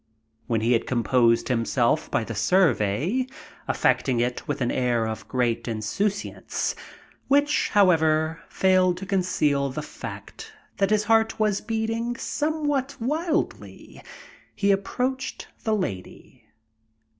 When he had composed himself by the survey, effecting it with an air of great insouciance, which, however, failed to conceal the fact that his heart was beating somewhat wildly, he approached the Lady.